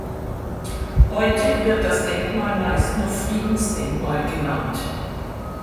Heute wird das Denkmal meist nur „Friedensdenkmal“ genannt.